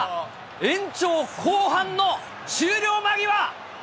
延長後半の終了間際。